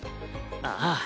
ああ。